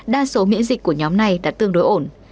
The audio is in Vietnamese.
đa số miễn dịch của nhóm này đã tương đối ổn